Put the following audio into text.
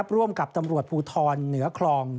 ร่วมกับตำรวจภูทรเหนือคลอง